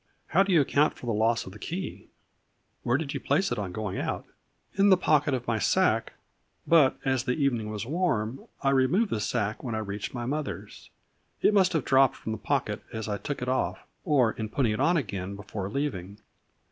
" How do you account for the loss of the key ? Where did you place it on going out ?'" In the pocket of my sacque, but, as the evening was warm, I removed the sacque when I reached my mother's. It must have dropped from the pocket as I took it off, or in putting it on again before leaving."